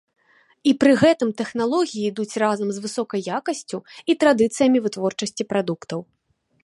І пры гэтым тэхналогіі ідуць разам з высокай якасцю і традыцыямі вытворчасці прадуктаў.